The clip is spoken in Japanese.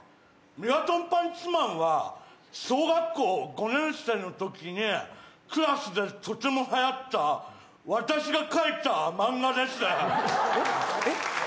メガトンパンチマンは小学校５年生のときにクラスでとてもはやった私が描いた漫画です。